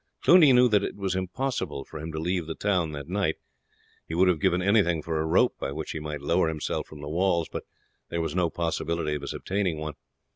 Cluny knew that it was impossible for him to leave the town that night; he would have given anything for a rope by which he might lower himself from the walls, but there was no possibility of his obtaining one.